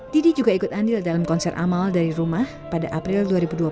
didi juga ikut andil dalam konser amal dari rumah pada april dua ribu dua puluh